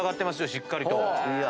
しっかりと。